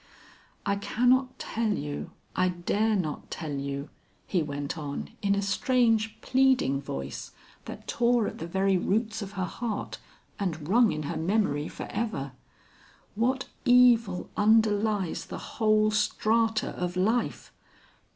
"I cannot tell you, I dare not tell you," he went on in a strange pleading voice that tore at the very roots of her heart, and rung in her memory forever, "what evil underlies the whole strata of life!